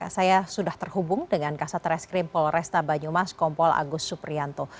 saya sudah terhubung dengan kasat reskrim polresta banyumas kompol agus suprianto